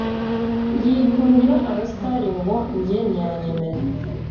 yikundira abasitari ngo njye ntiyanyemera